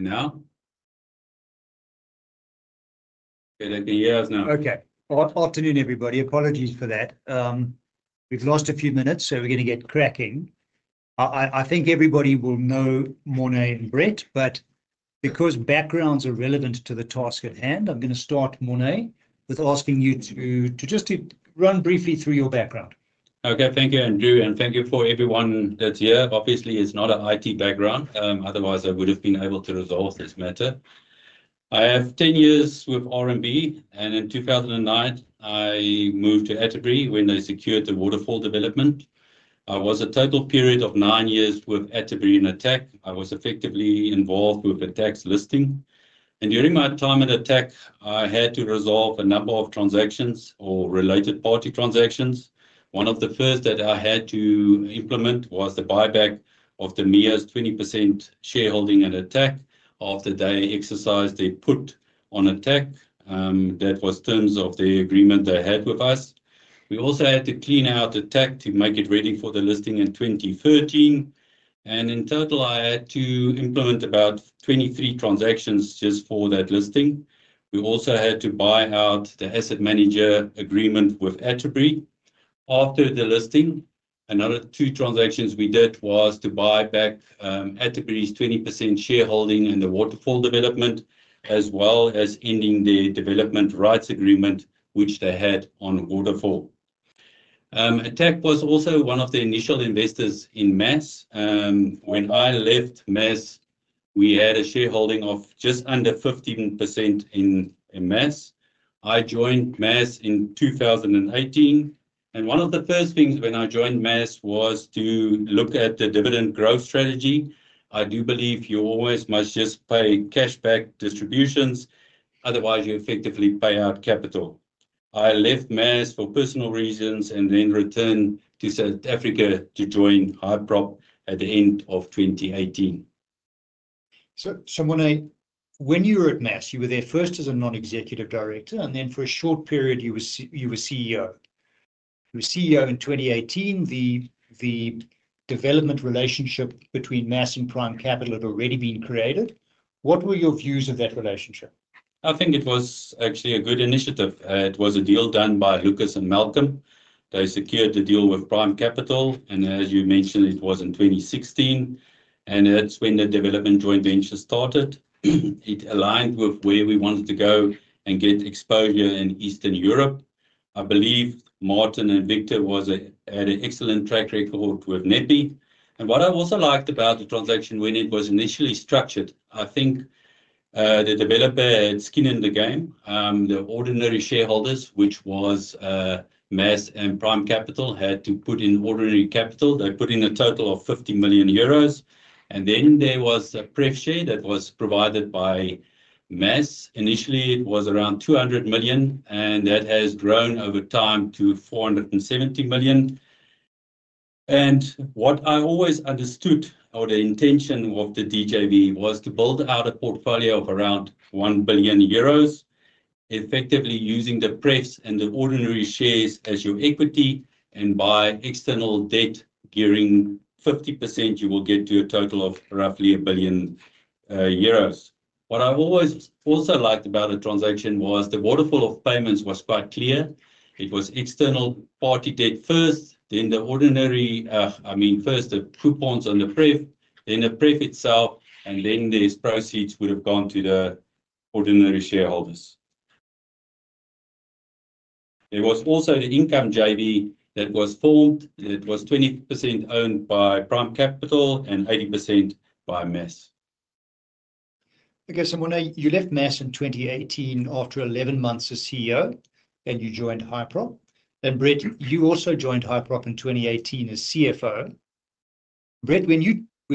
Now. Okay. Afternoon everybody. Apologies for that. We've lost a few minutes, so we're going to get cracking. I think everybody will know Morne and Brett, but because backgrounds are relevant to the task at hand, I'm going to start, Morne, with asking you to just run briefly through your background. Okay, thank you Andrew and thank you for everyone that's here. Obviously it's not an IT background otherwise I would have been able to resolve this matter. I have 10 years with RMB and in 2009 I moved to Atterbury when they secured the Waterfall development. I was a total period of nine years with Atterbury and Attacq. I was effectively involved with the tax listing and during my time at Attacq I had to resolve a number of transactions or related-party transactions. One of the first that I had to implement was the buyback of the MEA's 20% shareholding in Attacq after they exercised their put on Attacq that was terms of the agreement they had with us. We also had to clean out Attacq to make it ready for the listing in 2013 and in total I had to implement about 23 transactions just for that listing. We also had to buy out the asset manager agreement with Atterbury after the listing. Another two transactions we did was to buy back the Atterbury Greece 20% shareholding in the Waterfall development as well as ending the development rights agreement which they had on Waterfall. Attacq was also one of the initial investors in MAS. When I left MAS we had a shareholding of just under 15% in MAS. I joined MAS in 2018 and one of the first things when I joined MAS was to look at the dividend growth strategy. I do believe you always must just pay cash-backed distributions otherwise you effectively pay out capital. I left MAS for personal reasons and then returned to South Africa to join Hyprop at the end of 2018. Morne, when you were at MAS you were there first as a Non Executive Director and then for a short period you were CEO. You were CEO in 2018. The development relationship between MAS and Prime Kapital had already been created. What were your views of that relationship? I think it was actually a good initiative. It was a deal done by Lucas and Malcolm. They secured the deal with Prime Kapital and as you mentioned it was in 2016 and that's when the development joint venture started. It aligned with where we wanted to go and gained exposure in Eastern Europe. I believe Martin and Victor had an excellent track record with Netbe and what I also liked about the transaction. When it was initially structured, I think the developer had skin in the game. The ordinary shareholders, which was MAS and Prime Kapital, had to put in ordinary capital. They put in a total of 50 million euros. There was a prefshare that was provided by MAS. Initially it was around 200 million and that has grown over time to 470 million. What I always understood or the intention of the DJV was to build out a portfolio of around 1 billion euros, effectively using the prefs and the ordinary shares as your equity and buy external debt. During 50% you will get your total of roughly 1 billion euros. What I also liked about the transaction was the waterfall of payments was quite clear. It was external party debt first, then the coupons on the pref, then the pref itself and then these proceeds would have gone to the ordinary shareholders. There was also the income JV that was formed that was 20% owned by Prime Kapital and 80% by MAS. Okay, so Morne, you left MAS in 2018 after 11 months as CEO and you joined Hyprop. Brett, you also joined Hyprop in 2018 as CFO. Brett, when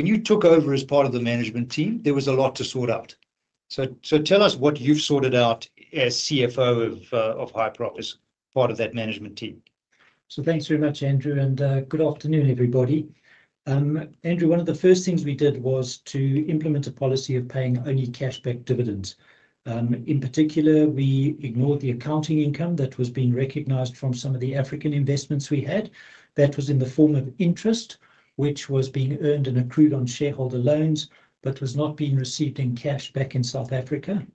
you took over as part of the management team, there was a lot to sort out. Tell us what you've sorted out as CFO of Hyprop, part of that management team. Thank you very much, Andrew, and good afternoon, everybody. Andrew, one of the first things we did was to implement a policy of paying only cash-backed dividends. In particular, we ignored the accounting income that was being recognized from some of the African investments we had that was in the form of interest which was being earned and accrued on shareholder loans but was not being received in cash. Back in South Africa,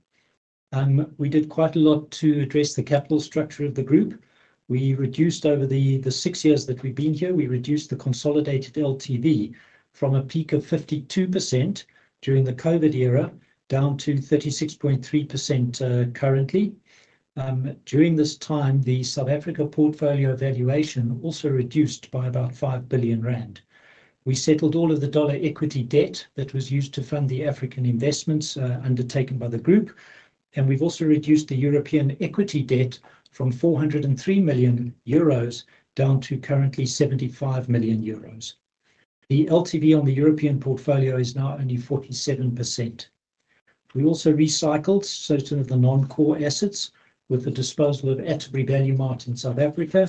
we did quite a lot to address the capital structure of the group. We reduced, over the six years that we've been here, the consolidated LTV from a peak of 52% during the COVID era down to 36.3% currently. During this time, the South Africa portfolio valuation also reduced by about 5 billion rand. We settled all of the dollar equity debt that was used to fund the African investments undertaken by the group. We've also reduced the European equity debt from 403 million euros down to currently 75 million euros. The LTV on the European portfolio is now only 47%. We also recycled certain of the non-core assets with the disposal of Atterbury Ballymart in South Africa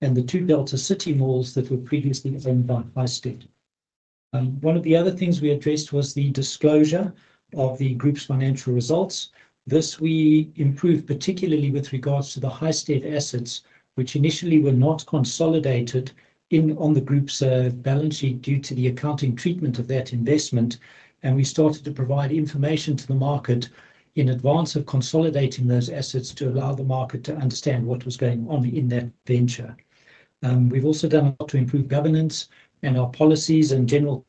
and the two Delta City malls that were previously owned by listed. One of the other things we addressed was the disclosure of the group's financial results. This we improved, particularly with regards to the high state assets which initially were not consolidated on the group's balance sheet due to the accounting treatment of that investment. We started to provide information to the market in advance of consolidating those assets to allow the market to understand what was going on in that venture. We've also done work to improve governance, ML policies, and general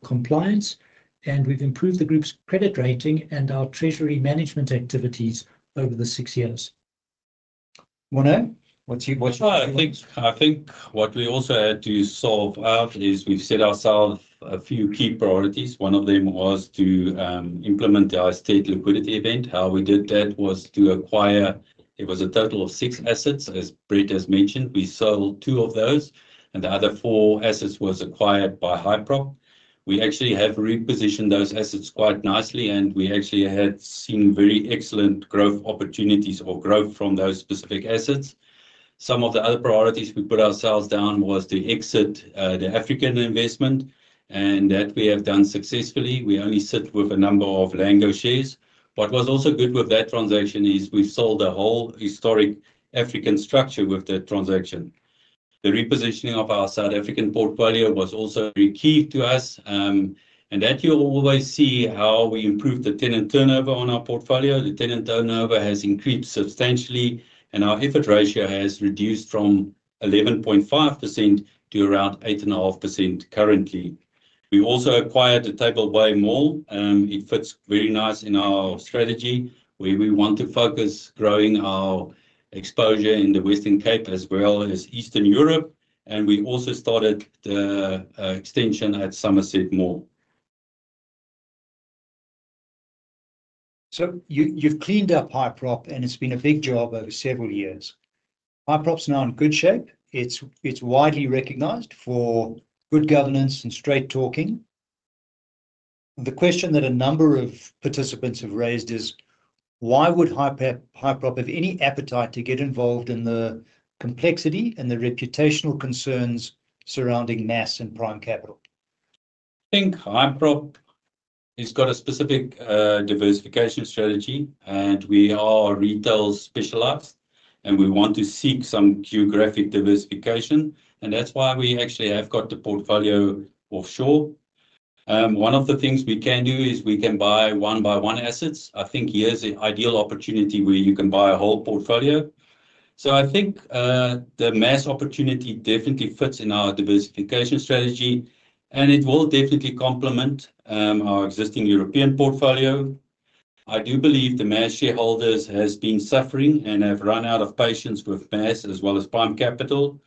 compliance. We've improved the group's credit rating and our treasury management activities over the six years. Morne, what's your question? I think what we also had to solve out is we've set ourselves a few key priorities. One of them was to implement our estate liquidity event. How we did that was to acquire. It was a total of six assets. As Brett has mentioned, we sold two of those, and the other four assets were acquired by Hyprop. We actually have repositioned those assets quite nicely, and we actually have seen very excellent growth opportunities or growth from those specific assets. Some of the other priorities we put ourselves down was to exit the African investment, and that we have done successfully. We only sit with a number of Lango shares, but what's also good with that transaction is we sold a whole historic African structure with that transaction. The repositioning of our South African portfolio was also key to us, and you always see how we improve the tenant turnover on our portfolio. The tenant turnover has increased substantially, and our effort ratio has reduced from 11.5% to around 8.5% currently. We also acquired the Table Bay Mall. It fits very nicely in our strategy where we want to focus on growing our exposure in the Western Cape as well as Eastern Europe. We also started the extension at Somerset Mall. You've cleaned up Hyprop and it's been a big job over several years. Hyprop's now in good shape. It's widely recognized for good governance and straight talking. The question that a number of participants have raised is why would Hyprop have any appetite to get involved in the complexity and the reputational concerns surrounding MAS and Prime Kapital? I think Hyprop has got a specific diversification strategy, and we are retail specialized, and we want to seek some geographic diversification, and that's why we actually have got the portfolio offshore. One of the things we can do is we can buy one by one assets. I think here's the ideal opportunity where you can buy a whole portfolio. I think the MAS opportunity definitely fits in our diversification strategy, and it will definitely complement our existing European portfolio. I do believe the MAS shareholders have been suffering and have run out of patience with MAS as well as Farm Capital,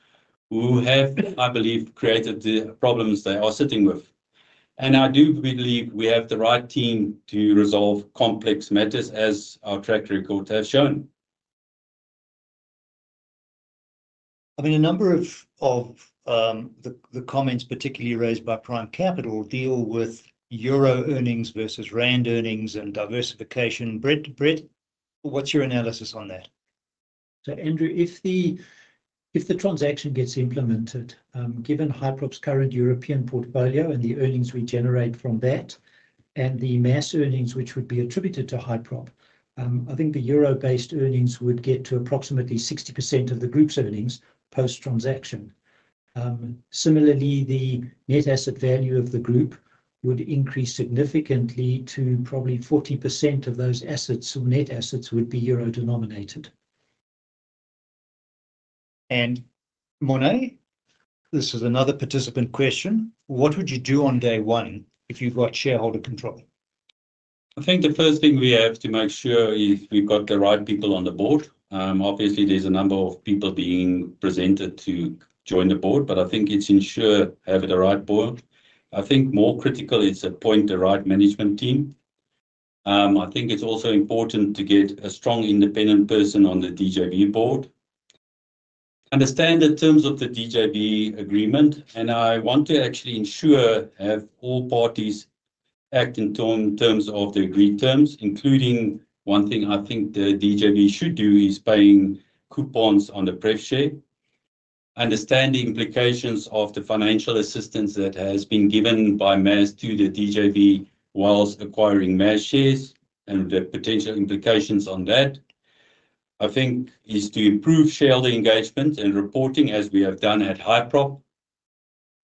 who have, I believe, created the problems they are sitting with. I do believe we have the right team to resolve complex matters, as our track record has shown. I mean a number of the comments particularly raised by Prime Kapital deal with euro earnings versus Rand earnings and diversification. Brett, what's your analysis on that? If the transaction gets implemented, given Hyprop's current European portfolio and the earnings we generate from that and the MAS earnings which would be attributed to Hyprop, I think the euro-based earnings would get to approximately 60% of the group's earnings post transaction. Similarly, the net asset value of the group would increase significantly to probably 40% of those assets or net assets would be euro denominated. Morne, this is another participant question. What would you do on day one if you've got shareholder control? I think the first thing we have to make sure is we've got the right people on the board. Obviously, there's a number of people being presented to join the board, but I think it's to ensure we have the right board. I think more critical is to appoint the right management team. I think it's also important to get a strong independent person on the DJV board. Understand the terms of the DJV agreement, and I want to actually ensure all parties act in terms of the agreed terms, including one thing I think the DJV should do is paying coupons on the pref share. Understand the implications of the financial assistance that has been given by MAS to the DJV whilst acquiring MAS shares and the potential implications on that. I think it's to improve shareholder engagement and reporting as we have done at Hyprop,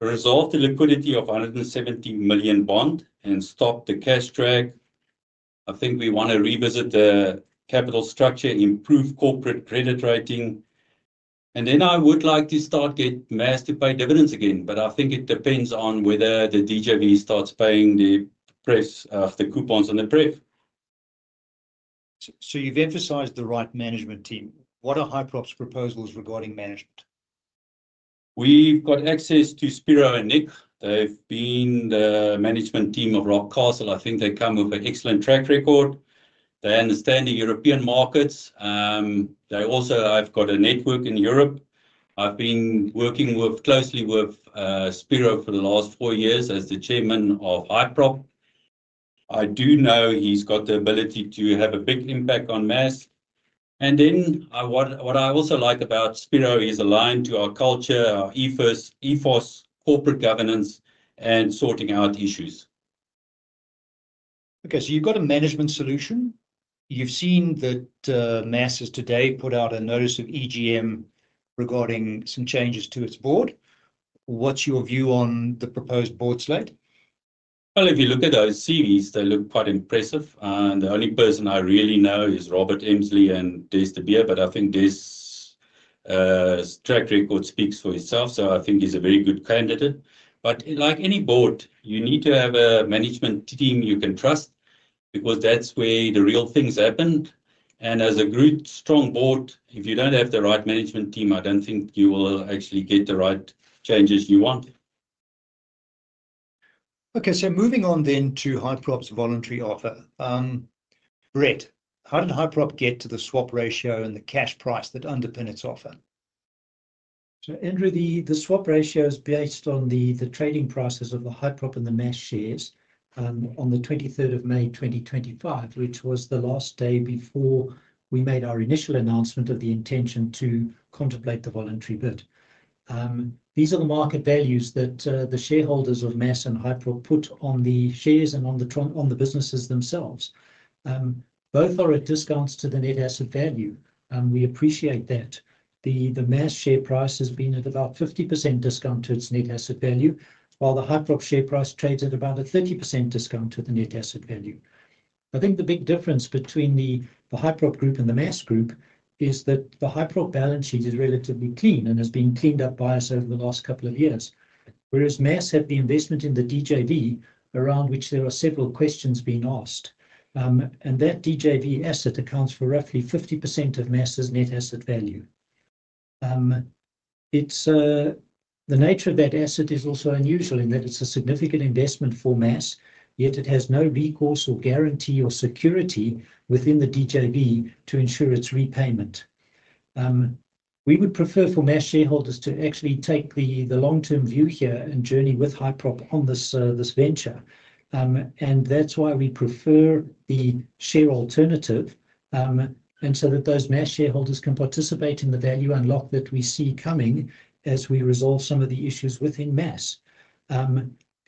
resolve the liquidity of the 170 million bond, and stop the cash drag. I think we want to revisit the capital structure, improve corporate credit rating, and then I would like to start getting MAS to pay dividends again. I think it depends on whether the DJV starts paying the rest of the coupons on the pref. You've emphasized the right management team. What are Hyprop's proposals regarding management? We've got access to Spiro and Nick. They've been the management team of Rob Castle. I think they come with an excellent track record. They understand the European markets. They also have got a network in Europe. I've been working closely with Spiro for the last four years as the Chairman of Hyprop. I do know he's got the ability to have a big impact on MAS. What I also like about Spiro is he's aligned to our culture, our ESG focus, corporate governance, and sorting out issues. Okay, so you've got a management solution. You've seen that MAS has today put out a notice of EGMT regarding some changes to its board. What's your view on the proposed board slate? If you look at those series, they look quite impressive. The only person I really know is Robert Emsley and Destabille, but I think Des' track record speaks for itself. I think he's a very good candidate. Like any board, you need to have a management team you can trust because that's where the real things happen. As a group, strong board, if you don't have the right management team, I don't think you will actually get the right changes you want. Okay, so moving on to Hyprop's voluntary offer. Brett, how did Hyprop get to the swap ratio and the cash price that underpin its offer? Andrew, the swap ratio is based on the trading prices of the Hyprop and the MAS shares on 23 May 2025, which was the last day before we made our initial announcement of the intention to contemplate the voluntary bid. These are the market values that the shareholders of MAS and Hyprop put on the shares and on the businesses themselves. Both are at discounts to the net asset value. We appreciate that the MAS share price has been at about 50% discount to its net asset value, while the Hyprop share price trades at about a 30% discount to the net asset value. I think the big difference between the Hyprop group and the MAS group is that the Hyprop balance sheet is relatively clean and has been cleaned up by us over the last couple of years, whereas MAS had the investment in the DJV around which there are several questions being asked, and that DJV asset accounts for roughly 50% of MAS net asset value. The nature of that asset is also unusual in that it's a significant investment for MAS, yet it has no recourse or guarantee or security within the DJV to ensure its repayment. We would prefer for MAS shareholders to actually take the long term view here and journey with Hyprop on this venture. That's why we prefer the share alternative so that those MAS shareholders can participate in the value unlock that we see coming as we resolve some of the issues within MAS.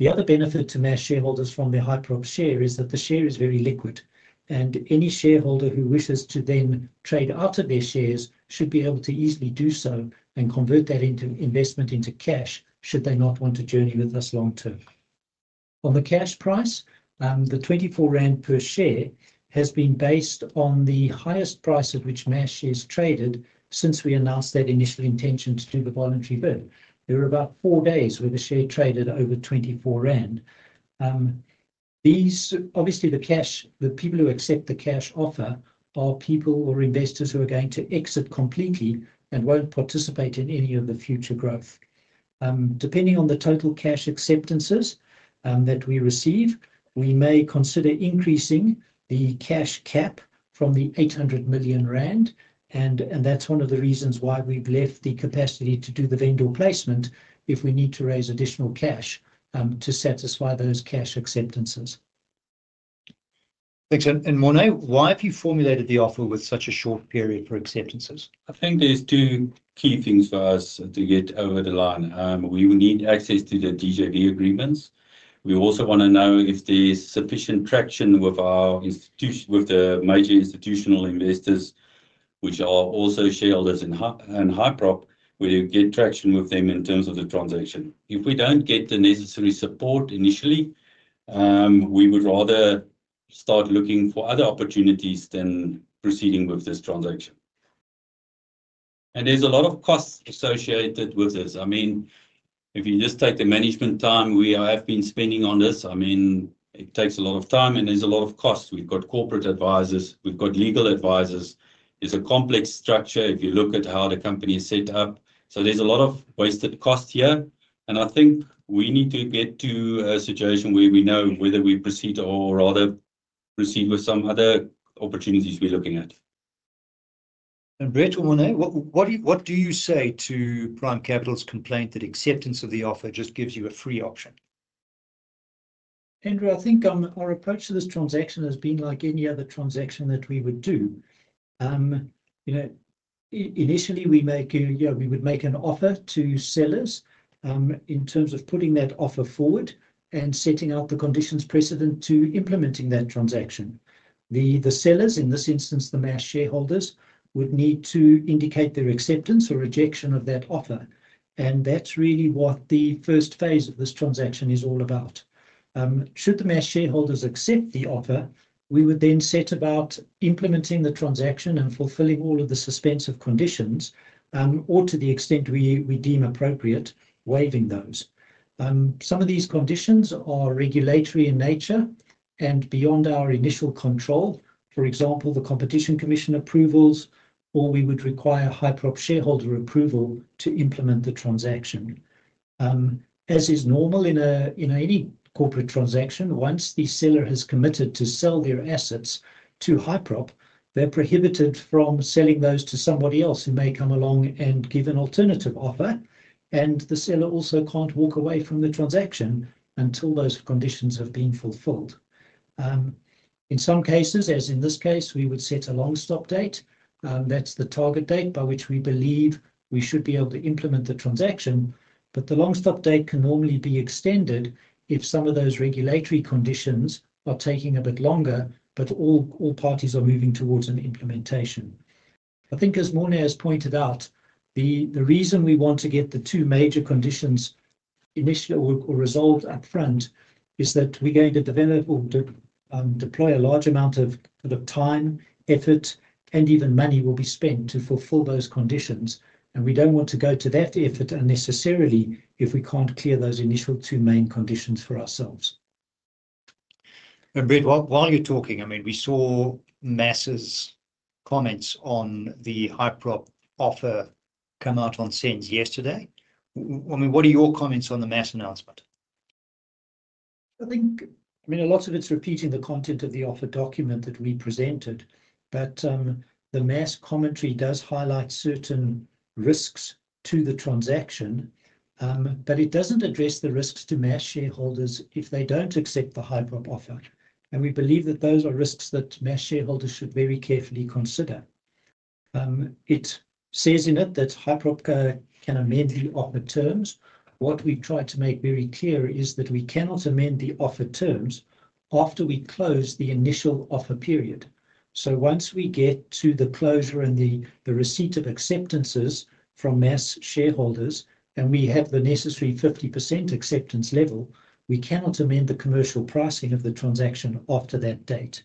The other benefit to MAS shareholders from their Hyprop share is that the share is very liquid and any shareholder who wishes to then trade out of their shares should be able to easily do so and convert that into investment into cash should they not want to journey with us long term. On the cash price, the R24 per share has been based on the highest price at which MAS shares traded since we announced that initial intention to do the voluntary bid. There were about four days where the share traded over 24 rand. Obviously, the people who accept the cash offer are people or investors who are going to exit completely and won't participate in any of the future growth. Depending on the total cash acceptances that we receive, we may consider increasing the cash cap from the 800 million rand. That's one of the reasons why we've left the capacity to do the vendor placement if we need to raise additional cash to satisfy those cash acceptances. Thanks. Morne, why have you formulated the offer with such a short period for acceptances? I think there's two key things for us to get over the line. We will need access to the DJV agreements. We also want to know if there's sufficient traction with the major institutional investors, which are also shareholders in Hyprop, where you get traction with them in terms of the transaction. If we don't get the necessary support initially, we would rather start looking for other opportunities than proceeding with this transaction. There's a lot of costs associated with this. If you just take the management time we have been spending on this, it takes a lot of time and there's a lot of costs. We've got corporate advisors, we've got legal advisers. It's a complex structure if you look at how the company is set up. There's a lot of wasted cost here. I think we need to get to a situation where we know whether we proceed or rather proceed with some other opportunities we're looking at. Brett or Morne, what do you say to Prime Kapital's complaint that acceptance of the offer just gives you a free opt? Andrew, I think our approach to this transaction has been like any other transaction that we would do. Initially, we make an offer to sellers in terms of putting that offer forward and setting out the conditions precedent to implementing that transaction. The sellers, in this instance the MAS shareholders, would need to indicate their acceptance or rejection of that offer. That is really what the first phase of this transaction is all about. Should the MAS shareholders accept the offer, we would then set about implementing the transaction and fulfilling all of the suspensive conditions or, to the extent we deem appropriate, waiving those. Some of these conditions are regulatory in nature and beyond our initial control. For example, the Competition Commission approvals, or we would require Hyprop shareholder approval to implement the transaction. As is normal in any corporate transaction, once the seller has committed to sell their assets to Hyprop, they are prohibited from selling those to somebody else who may come along and give an alternative offer. The seller also cannot walk away from the transaction until those conditions have been fulfilled. In some cases, as in this case, we would set a long stop date. That is the target date by which we believe we should be able to implement the transaction. The long stop date can normally be extended if some of those regulatory conditions are taking a bit longer. All parties are moving towards an implementation. I think, as Morne has pointed out, the reason we want to get the two major conditions initially resolved up front is that we are going to deploy a large amount of time, effort, and even money will be spent to fulfill those conditions. We do not want to go to that effort unnecessarily if we cannot clear those initial two main conditions for ourselves. Brett, while you're talking, I mean, we saw MAS's comments on the Hyprop offer come out on SENS yesterday. What are your comments on the MAS announcement? I think a lot of it's repeating the content of the offer document that we presented. The MAS commentary does highlight certain risks to the transaction, but it doesn't address the risks to MAS shareholders if they don't accept the Hyprop offer. We believe that those are risks that MAS shareholders should very carefully consider. It says in it that Hyprop can amend the offer terms. What we tried to make very clear is that we cannot amend the offer terms after we close the initial offer period. Once we get to the closure and the receipt of acceptances from MAS shareholders, and we have the necessary 50% acceptance level, we cannot amend the commercial pricing of the transaction after that date.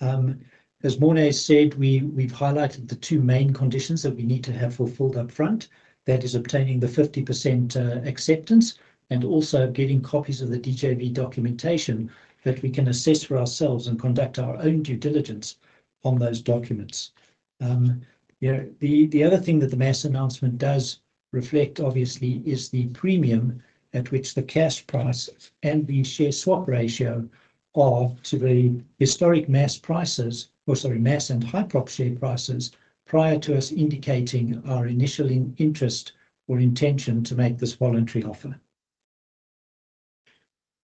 As Morne said, we've highlighted the two main conditions that we need to have fulfilled up front. That is obtaining the 50% acceptance and also getting copies of the DJV documentation that we can assess for ourselves and conduct our own due diligence on those documents. The other thing that the MAS announcement does reflect, obviously, is the premium at which the cash price and the share swap ratio are to bring historic MAS prices, or, sorry, MAS and Hyprop prices prior to us indicating our initial interest or intention to make this voluntary offer.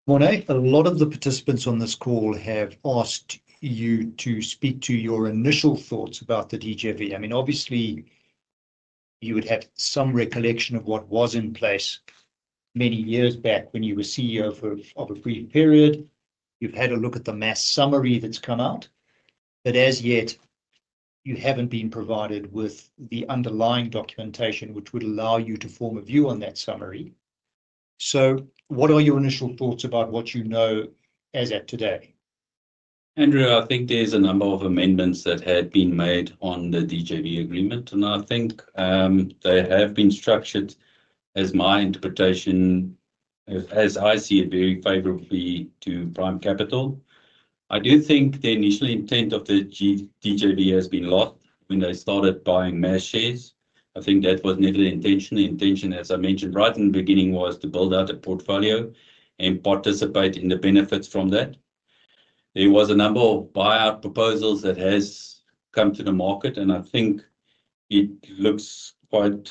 Morne, a lot of the participants on this call have asked you to speak to your initial thoughts about the DJV. I mean obviously you would have some recollection of what was in place many years back when you were CEO of a free period. You've had a look at the MAS summary that's come out, but as yet you haven't been provided with the underlying documentation which would allow you to form a view on that summary. What are your initial thoughts about what you know as at today? Andrew, I think there's a number of amendments that have been made on the DJV agreement, and I think they have been structured, as my interpretation as I see it, very favorably to Prime Kapital. I do think the initial intent of the DJV has been lost when they started buying MAS shares. I think that was never the intention. The intention, as I mentioned right in the beginning, was to build out a portfolio and participate in the benefits from that. There was a number of buyout proposals that has come to the market, and I think it looks quite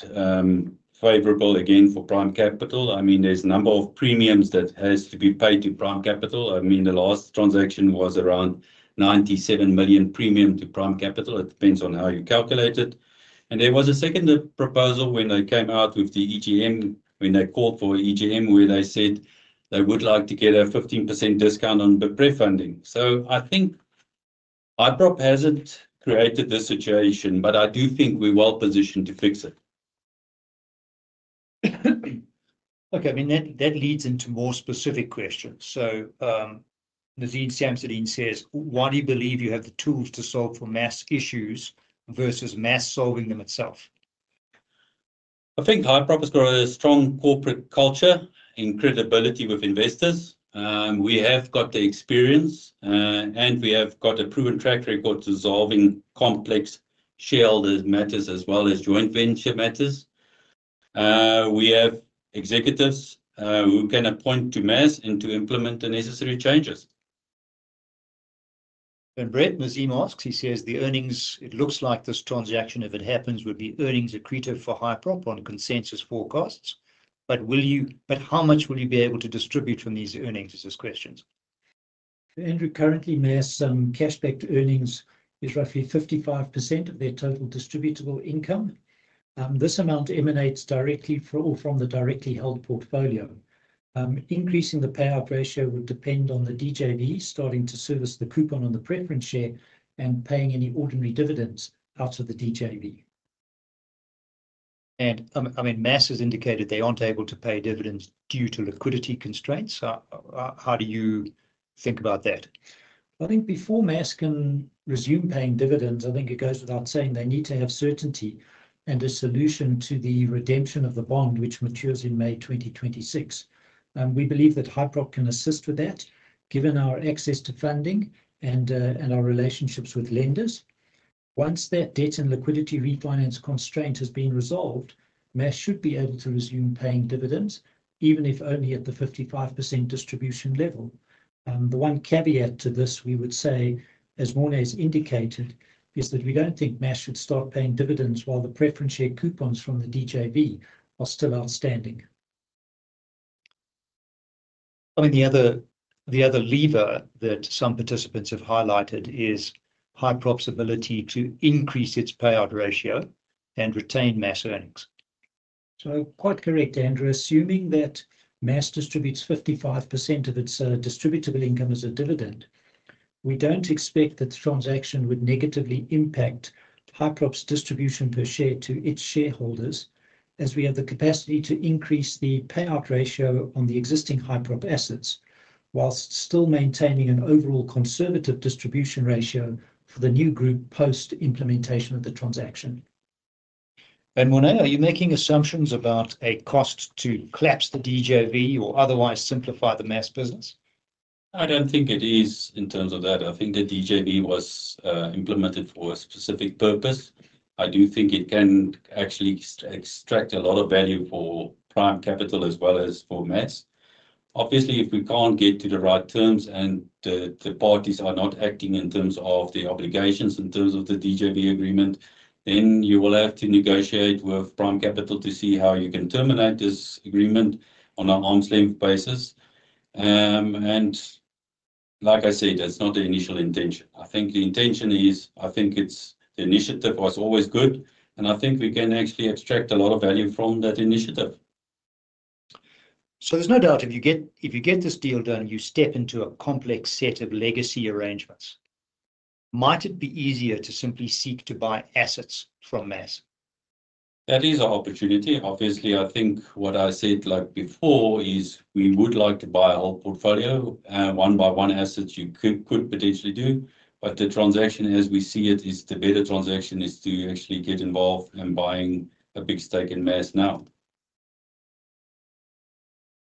favorable again for Prime Kapital. I mean, there's a number of premiums that has to be paid to Prime Kapital. I mean, the last transaction was around 97 million premium to Prime Kapital. It depends on how you calculate it. There was a second proposal when they came out with the EGM, when they called for EGM, where they said they would like to get a 15% discount on Bipre funding. So, I think Hyprop hasn't created this situation, but I do think we're well positioned to fix it. Okay. That leads into more specific questions. Nazin Samsuddin says why do you believe you have the tools to solve for MAS issues versus MAS solving them itself. I think Hyprop has got a strong corporate culture and credibility with investors. We have got the experience and we have got a proven track record to solving complex shareholder matters as well as joint venture matters. We have executives who can appoint to MAS and to implement the necessary changes. Brett, Bizima asks, he says the earnings it looks like this transaction if it happens would be earnings accretive for MAS on consensus forecasts. How much will you be able to distribute from these earnings? This is questions. Andrew. Currently, MAS cash back to earnings is roughly 55% of their total distributable income. This amount emanates directly from the directly held portfolio. Increasing the payout ratio would depend on the DJV starting to service the coupon on the preference share and paying any ordinary dividends out of the DJV. MAS has indicated they aren't able to pay dividends due to liquidity constraints. How do you think about that? I think before MAS can resume paying dividends, I think it goes without saying they need to have certainty and a solution to the redemption of the bond which matures in May 2026. We believe that Hyprop can assist with that given our access to funding and our relationships with lenders. Once that debt and liquidity refinance constraint has been resolved, MAS should be able to resume paying dividends even if only at the 55% distribution level. The one caveat to this we would say, as Morne has indicated, is that we don't think MAS should start paying dividends while the preference share coupons from the DJV are still outstanding. I mean, the other lever that some participants have highlighted is Hyprop's ability to increase its payout ratio and retain MAS earnings. Quite correct, Andrew. Assuming that MAS distributes 55% of its distributable income as a dividend, we don't expect that the transaction would negatively impact Hyprop's distribution per share to its shareholders as we have the capacity to increase the payout ratio on the existing Hyprop assets while still maintaining an overall conservative distribution ratio for the new group. Post implementation of the transaction. Morne, are you making assumptions about a cost to collapse the DJV or otherwise simplify the MAS business? I don't think it is in terms of that. I think the DJV was implemented for a specific purpose. I do think it can actually extract a lot of value for Prime Kapital as well as for MAS. Obviously, if we can't get to the right terms and the parties are not acting in terms of the obligations in terms of the DJV agreement, you will have to negotiate with Prime Kapital to see how you can terminate this agreement on a slim basis. Like I said, that's not the initial intention. I think the intention is, I think the initiative is always good and I think we can actually extract a lot of value from that initiative. There is no doubt if you get this deal done, you step into a complex set of legacy arrangements. Might it be easier to simply seek to buy assets from MAS? That is an opportunity, obviously. I think what I said before is we would like to buy a whole portfolio one by one. Assets you could potentially do, but the transaction as we see it is the better transaction is to actually get involved in buying a big stake in MAS now.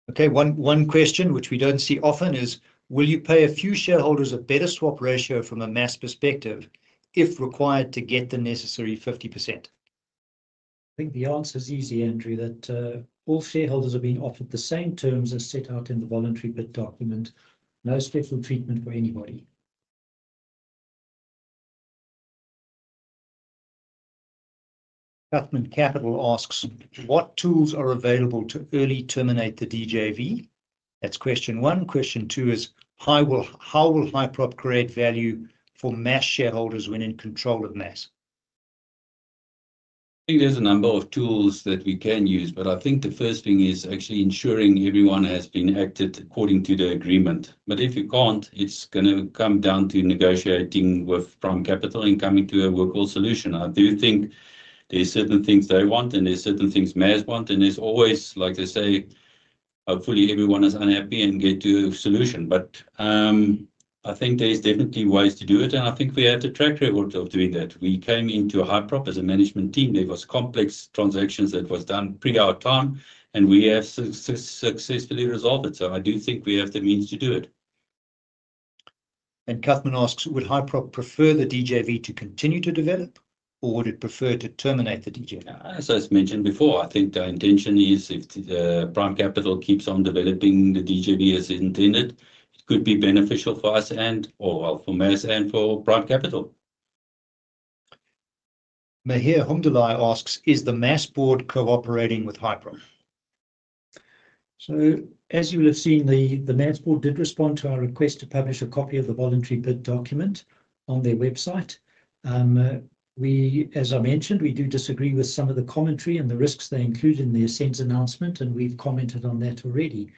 Okay, one question which we don't see often is will you pay a few shareholders a better swap ratio from a MAS perspective if required to get the necessary 50%? I think the answer is easy, Andrew, that all shareholders are being offered the same terms as set out in the voluntary bid document. No special treatment for anybody. Cuthbertman Capital asks what tools are available to early terminate the DJV? That's question one. Question two is how will Hyprop create value for MAS shareholders when in control of MAS? I think there's a number of tools that we can use, but I think the first thing is actually ensuring everyone has been acted according to the agreement. If you can't, it's going to come down to negotiating with Prime Kapital and coming to a workable solution. I do think there's certain things they want and there's certain things MAS wants, and there's always, like they say, hopefully everyone is unhappy and get to a solution. I think there's definitely ways to do it, and I think we had a track record of doing that. We came into Hyprop as a management team, there was complex transactions that was done pre our time, and we have successfully resolved it. I do think we have the means to do it. Kaufman asks, would Hyprop prefer the DJV to continue to develop or would it prefer to terminate the DJV? As I mentioned before, I think the intention is if Prime Kapital keeps on developing the DJV as intended, could be beneficial for us and or for MAS and for Prime Kapital. Meher Humdeli asks, is the MAS board cooperating with Hyprop? As you will have seen, the MAS board did respond to our request to publish a copy of the voluntary bid document on their website. As I mentioned, we do disagree with some of the commentary and the risks they include in the Ascends announcement, and we've commented on that already.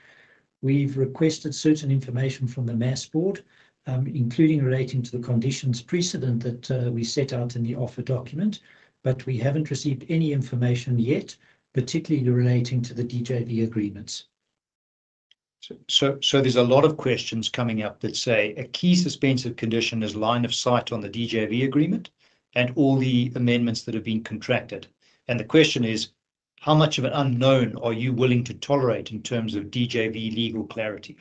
We've requested certain information from the MAS board, including relating to the conditions precedent that we set out in the offer document, but we haven't received any information yet, particularly relating to the DJV agreements. There are a lot of questions coming up that say a key suspensive condition is line of sight on the DJV agreement and all the amendments that have been contracted. The question is, how much of an unknown are you willing to tolerate in terms of DJV legal clarity?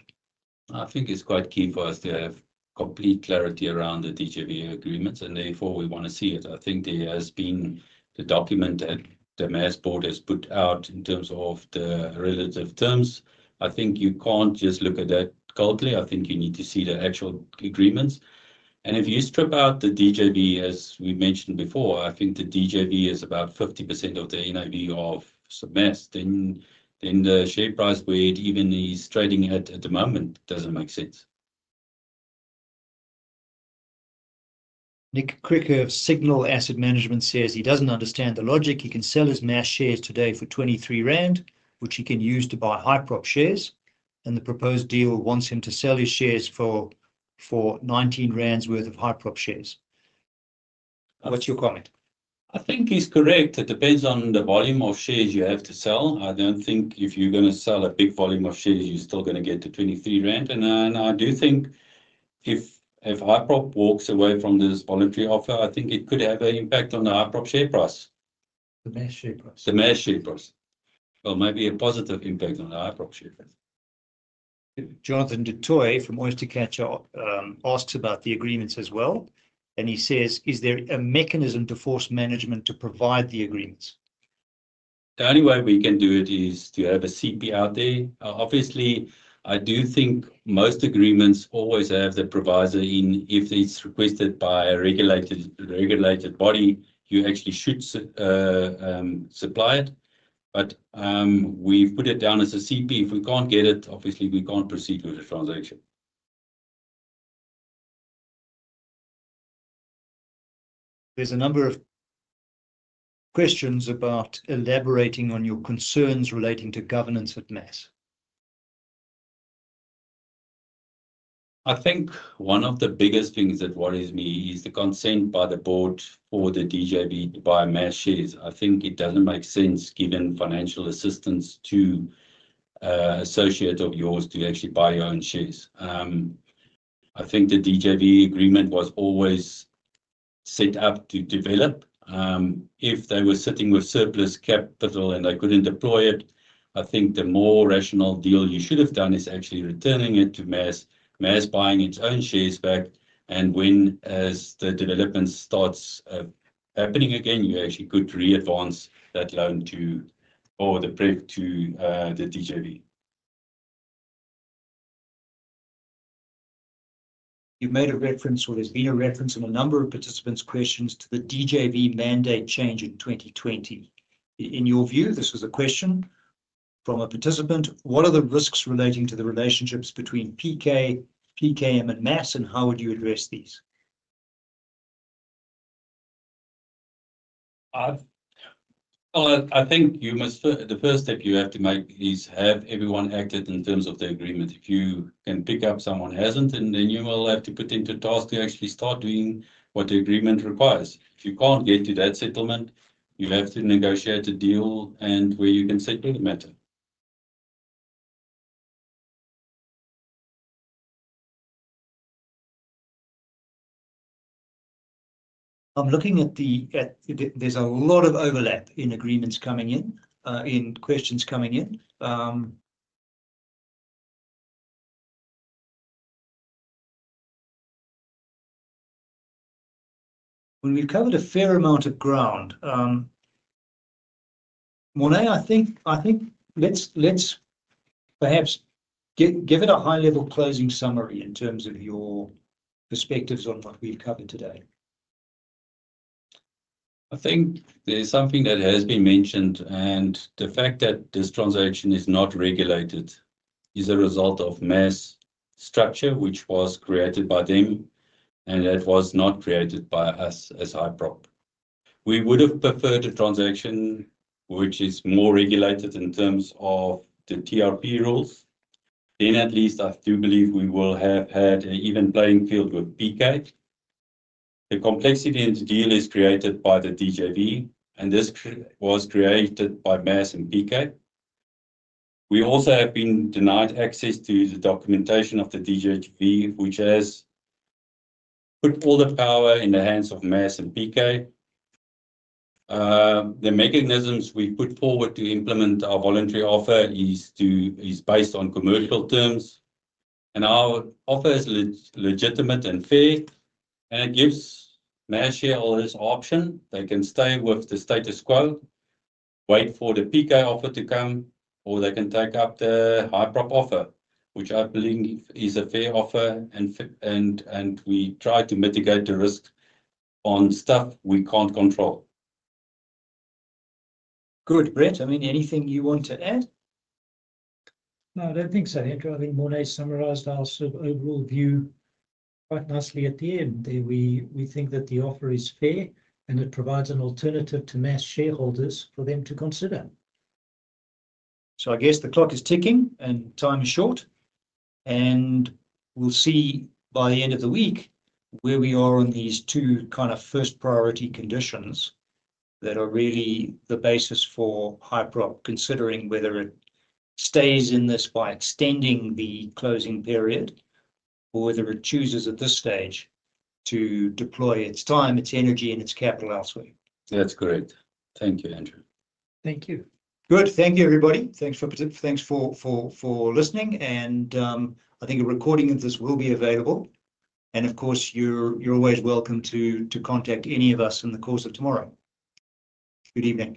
I think it's quite key for us to have complete clarity around the DJV agreements, and therefore we want to see it. I think there has been the document that the MAS board has put out in terms of the relative terms. I think you can't just look at that coldly. I think you need to see the actual agreements, and if you strip out the DJV as we mentioned before, I think the DJV is about 50% of the NAV of MAS, then the share price where it even is trading at at the moment doesn't make sense. Nick Kricker of Signal Asset Management says he doesn't understand the logic. He can sell his MAS shares today for 23 rand, which he can use to buy Hyprop shares, and the proposed deal wants him to sell his shares for 19 rand worth of Hyprop shares. What's your comment? I think he's correct. It depends on the volume of shares you have to sell. I don't think if you're going to sell a big volume of shares you're still going to get to 23 rand and I do think if Hyprop walks away from this voluntary offer I think it could have an impact on the Hyprop share price, the MAS share price, the MAS shape. Maybe a positive impact on the Hyprop shares. J. Nudi from Oyster Catcher asks about the agreements as well, and he says is there a mechanism to force management to provide the agreements? The only way we can do it is to have a CP out there. Obviously, I do think most agreements always have the proviso in if it's requested by a regulated body you actually should supply it. We've put it down as a CP. If we can't get it, obviously we can't proceed with the transaction. There's a number of questions about elaborating on your concerns relating to governance at MAS. I think one of the biggest things that worries me is the consent by the board for the DJV to buy MAS shares. I think it doesn't make sense giving financial assistance to an associate of yours to actually buy your own shares. I think the DJV agreement was always set up to develop. If they were sitting with surplus capital and they couldn't deploy it, I think the more rational deal you should have done is actually returning it to MAS, buying its own shares back, and when the development starts happening again you actually could re-advance that loan or the prep to the DJV. You've made a reference or there's been a reference in a number of participants' questions to the DJV mandate change in 2020. In your view, this was a question from a participant. What are the risks relating to the relationships between PK, PKM, and MAS, and how would you address these? I think the first step you have to make is have everyone act in terms of the agreement. If you can pick up someone hasn't, then you will have to put into task to actually start doing what the agreement requires. If you can't get to that settlement, you'll have to negotiate a deal where you can settle the matter. I'm looking at the agreements. There's a lot of overlap in agreements coming in, in questions coming. When we've covered a fair amount of ground. Morne, I think let's perhaps give it a high-level closing summary in terms of your perspectives on what we've covered today. I think there's something that has been mentioned, and the fact that this transaction is not regulated is a result of MAS structure, which was created by them and that was not created by us as Hyprop. We would have preferred a transaction which is more regulated in terms of the TRP rules. I do believe we would have had an even playing field with PK. The complexity in the deal is created by the DJV, and this was created by MAS and PKl. We also have been denied access to the documentation of the DJV, which has put all the power in the hands of MAS and PK. The mechanisms we put forward to implement our voluntary offer are based on commercial terms, and our offer is legitimate and fair, and it gives MAS shareholders this option. They can stay with the status quo, wait for the PK offer to come, or they can take up the Hyprop offer, which I believe is a fair offer, and we try to mitigate the risk on stuff we can't control. Good. Brett, I mean, anything you want to add? No, I don't think so, Henkel. I think Morne summarised our sort of overall view quite nicely. At the end, we think that the offer is fair, and it provides an alternative to MAS shareholders for them to consider. I guess the clock is ticking and time is short, and we'll see by the end of the week where we are on these two kind of first priority conditions that are really the basis for Hyprop considering whether it stays in this by extending the closing period, or whether it chooses at this stage to deploy its time, its energy, and its capital elsewhere. That's great. Thank you, Andrew. Thank you. Good. Thank you, everybody. Thanks for listening. I think a recording of this will be available, and of course you're always welcome to contact any of us in the course of tomorrow. Good evening.